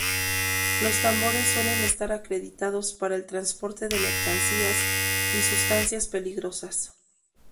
Los tambores suelen estar acreditados para el transporte de mercancías y sustancias peligrosas.